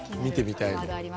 見てみたいの。